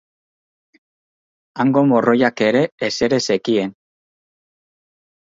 Hango morroiak ere ezer ez zekien.